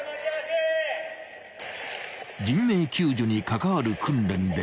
［人命救助に関わる訓練で］